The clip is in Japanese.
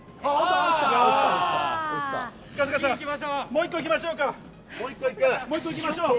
もう１個いきましょう。